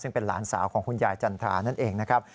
ซึ่งเป็นหลานสาวของคุณยายจันทรานั่นเองนะครับ